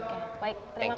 oke baik terima kasih